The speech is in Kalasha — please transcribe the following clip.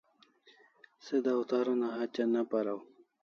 Se dawtar una hatya ne paraw